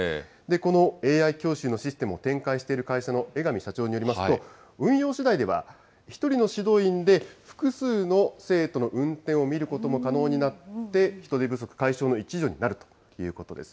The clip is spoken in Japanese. このＡＩ教習のシステムを展開している会社の江上社長によりますと、運用しだいでは１人の指導員で複数の生徒の運転を見ることも可能になって、人手不足解消の一助になるということです。